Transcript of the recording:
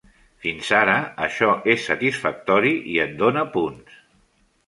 Fins ara això és satisfactori i et dóna punts.